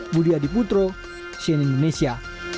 budi adiputro sien indonesia